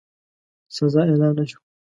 سزا اعلان نه شوه.